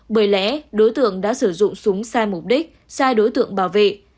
bởi lẽ đối tượng đã sử dụng súng sai mục đích sai đối tượng bảo vệ